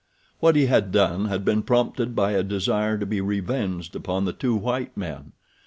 What he had done had been prompted by a desire to be revenged upon the two white men.